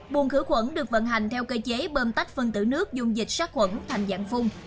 buồn khử khuẩn được vận hành theo cơ chế bơm tách phân tử nước dùng dịch sát khuẩn thành dạng phung